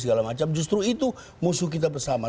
segala macam justru itu musuh kita bersama